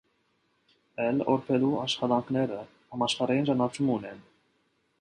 Լ. Օրբելու աշխատանքները համաշխարհային ճանաչում ունեն։